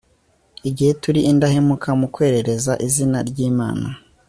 igihe turi indahemuka mu kwerereza izina ry'imana